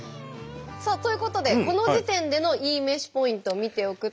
さあということでこの時点でのいいめしポイントを見ておくと。